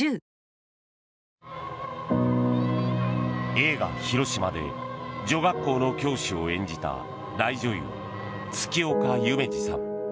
映画「ひろしま」で女学校の教師を演じた大女優・月丘夢路さん。